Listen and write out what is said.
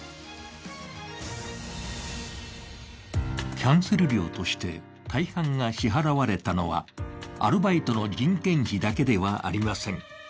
キャンセル料として大半が支払われたのはアルバイトの人件費だけではありません。